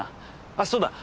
あっそうだ。